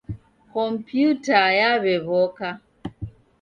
Kompyuta yaw'ew'oka.